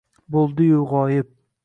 Bo’ldiyu g’oyib